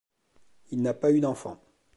Il n'a pas eu d'enfant.